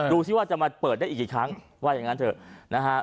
ดูสิว่าจะมาเปิดได้อีกกี่ครั้งว่าอย่างนั้นเถอะนะฮะ